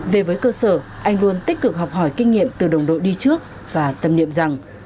về với cơ sở anh luôn tích cực học hỏi kinh nghiệm từ đồng đội đi trước và tâm niệm rằng